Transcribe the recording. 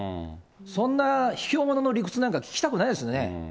そんな卑怯者の理屈なんか聞きたくないですね。